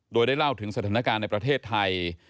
โดยได้เล่าถึงสถานการณ์ในประเทศไทย